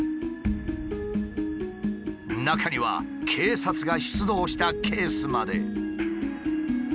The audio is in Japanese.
中には警察が出動したケースまで。